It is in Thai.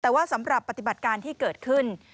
แต่ว่าสำหรับปฏิบัติการที่เกิดขึ้น